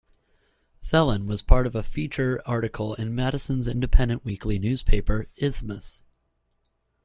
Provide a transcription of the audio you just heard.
Thelen was part of a feature article in Madison's independent weekly newspaper, "Isthmus".